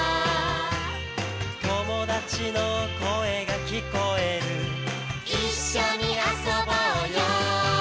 「友達の声が聞こえる」「一緒に遊ぼうよ」